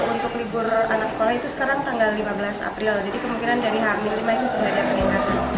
untuk libur anak sekolah itu sekarang tanggal lima belas april jadi kemungkinan dari h lima itu sudah ada peningkatan